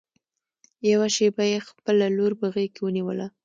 يوه شېبه يې خپله لور په غېږ کې ونيوله.